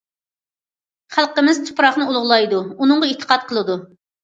خەلقىمىز تۇپراقنى ئۇلۇغلايدۇ، ئۇنىڭغا ئېتىقاد قىلىدۇ.